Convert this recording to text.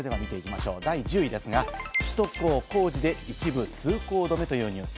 第１０位ですが、首都高工事で一部通行止めというニュース。